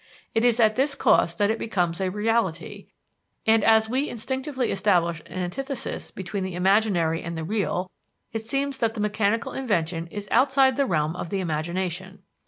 It is at this cost that it becomes a reality, and as we instinctively establish an antithesis between the imaginary and the real, it seems that mechanical invention is outside the realm of the imagination.